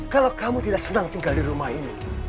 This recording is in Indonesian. kalau kamu tidak senang tinggal di rumah ini